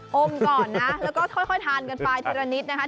อมก่อนนะแล้วก็ค่อยทานกันไปทีละนิดนะคะ